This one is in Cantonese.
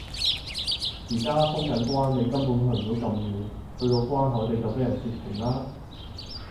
而家封緊關你根本去唔到咁遠，去到關口你就畀人截停啦